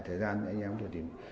thời gian nhà em tôi tìm